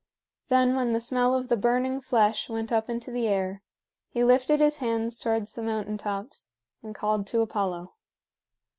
Then when the smell of the burning flesh went up into the air, he lifted his hands towards the mountain tops and called to Apollo.